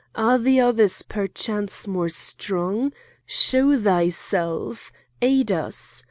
Are the others perchance more strong? Show thyself! aid us!